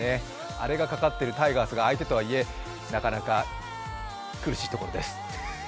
アレがかかっているタイガースが相手とはいえなかなか苦しいところです。